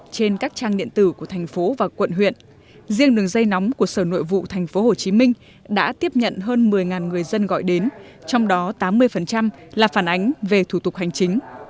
trên các trang điện tử của tp hcm riêng đường dây nóng của sở nội vụ tp hcm đã tiếp nhận hơn một mươi người dân gọi đến trong đó tám mươi là phản ánh về thủ tục hành chính